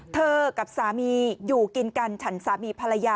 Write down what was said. กับสามีอยู่กินกันฉันสามีภรรยา